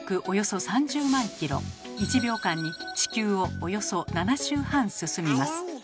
およそ３０万ｋｍ１秒間に地球をおよそ７周半進みます。